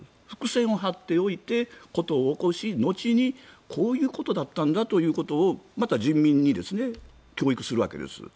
伏線を張っておいて、事を起こし後にこういうことだったんだということをまた人民に教育するわけです。